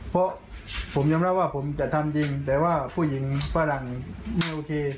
เพราะผมยอมรับว่าผมจะทำจริงแต่ว่าผู้หญิงฝรั่งไม่โอเค